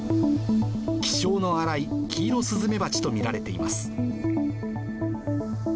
気性の荒いキイロスズメバチと見られています。